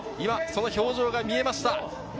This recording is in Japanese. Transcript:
その表情が見えました。